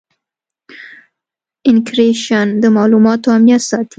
انکریپشن د معلوماتو امنیت ساتي.